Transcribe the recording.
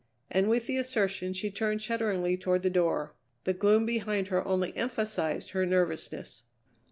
And with the assertion she turned shudderingly toward the door. The gloom behind her only emphasized her nervousness.